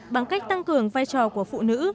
bằng cách tăng cường vai trò của phụ nữ